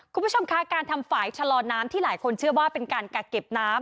คุณผู้ชมคะการทำฝ่ายชะลอน้ำที่หลายคนเชื่อว่าเป็นการกักเก็บน้ำ